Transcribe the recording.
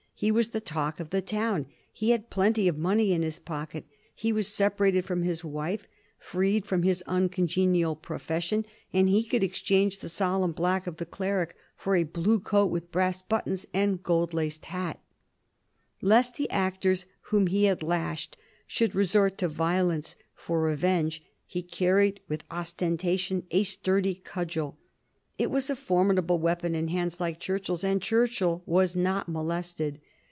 He was the talk of the town; he had plenty of money in his pocket; he was separated from his wife, freed from his uncongenial profession, and he could exchange the solemn black of the cleric for a blue coat with brass buttons and a gold laced hat. [Sidenote: 1762 Newspaper polemics] Lest the actors whom he had lashed should resort to violence for revenge, he carried with ostentation a sturdy cudgel. It was a formidable weapon in hands like Churchill's, and Churchill was not molested.